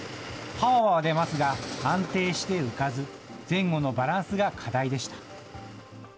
パワーは出ますが、安定して浮かず、前後のバランスが課題でした。